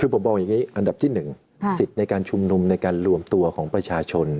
คือผมบอกอย่างนี้อันดับที่๑สิทธิ์ในการชุมนุมในการรวมตัวของประชาชน